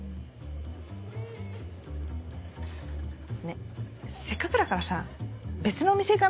ねぇせっかくだからさ別のお店行かない？